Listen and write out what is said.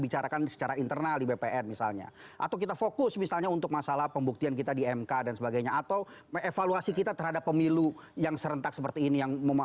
ini memang ini menurut saya memang sistem